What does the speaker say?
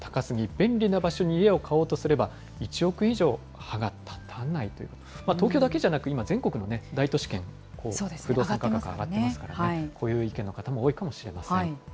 便利な場所に家を買おうとすれば、１億円以上、歯が立たないという、東京だけじゃなく、今、全国の大都市圏、不動産価格上がってますからね、こういう意見の方も多いかもしれません。